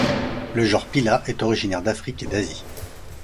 Le genre Pila est orignaire d'Afrique et d'Asie.